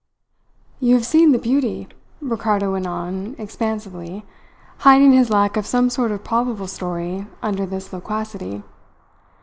"You have seen the beauty," Ricardo went on expansively, hiding his lack of some sort of probable story under this loquacity.